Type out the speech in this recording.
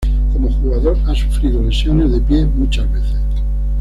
Como jugador, ha sufrido lesiones de pie muchas veces.